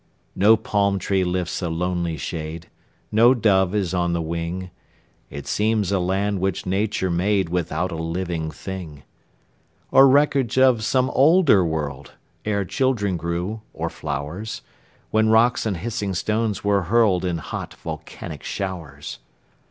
No palm tree lifts a lonely shade, No dove is on the wing; It seems a land which Nature made Without a living thing, Or wreckage of some older world, Ere children grew, or flowers, When rocks and hissing stones were hurled In hot, volcanic showers.